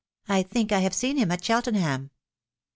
u I think I have seen him at Cheltenham."